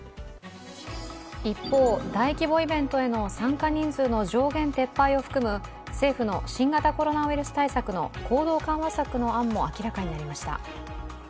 一方、大規模イベントへの参加人数の上限撤廃を含む政府の新型コロナウイルス対策の行動緩和策の案も明らかになりました。